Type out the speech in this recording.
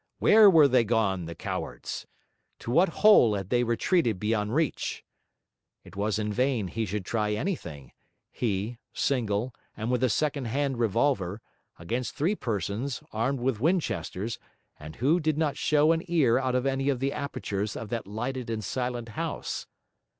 Where were they gone, the cowards? to what hole had they retreated beyond reach? It was in vain he should try anything, he, single and with a second hand revolver, against three persons, armed with Winchesters, and who did not show an ear out of any of the apertures of that lighted and silent house?